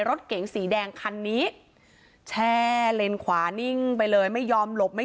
รถเก๋งสีแดงคันนี้แช่เลนขวานิ่งไปเลยไม่ยอมหลบไม่